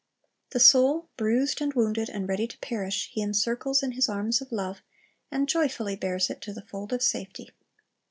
The soul, bruised and wounded and ready to perish. He encircles in His arms of love, and joyfully bears it to the fold of safety.